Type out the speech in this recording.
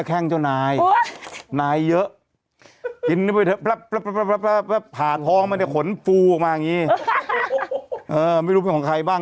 ของหน้าแข้งเจ้านาย